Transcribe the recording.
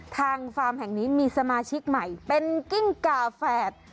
ฟาร์มแห่งนี้มีสมาชิกใหม่เป็นกิ้งกาแฝด